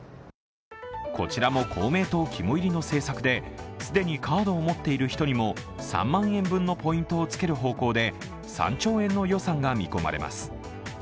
こちらも公明党肝いりの政策で、既にカードを持っている人にも３万円分のポイントをつける方向で３兆円の予算が見込まれます。